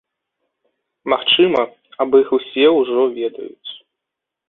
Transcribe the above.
Магчыма, аб іх усе ўжо ведаюць.